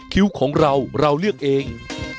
คิ้วของเราเราเลือกเอง